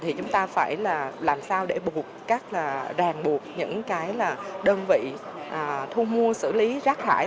thì chúng ta phải làm sao để ràng buộc những đơn vị thu mua xử lý rác hải